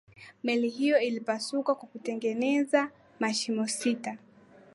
meli hiyo ilipasuka kwa kutengeneza mashimo sita